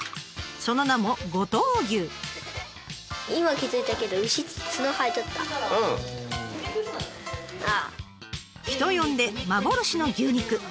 その名も人呼んで幻の牛肉。